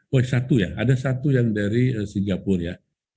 point satu ya ada satu yang dari singapura ya